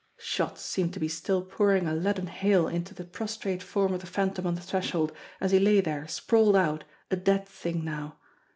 ..." Shots seemed to be still pouring a leaden hail into the prostrate form of the Phantom on the threshold, as he lay there, sprawled out, a dead thing now.